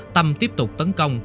tâm tiếp tục tấn công